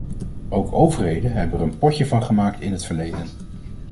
Ook overheden hebben er een potje van gemaakt in het verleden.